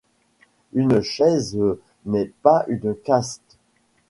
Une chaise n’est pas une caste.